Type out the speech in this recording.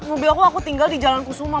mobil aku aku tinggal di jalan kusuma